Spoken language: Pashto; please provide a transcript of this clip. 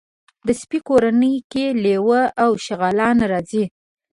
د سپي کورنۍ کې لېوه او شغالان راځي.